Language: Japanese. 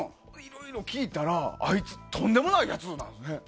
いろいろ聞いたら、あいつとんでもないやつなんだね。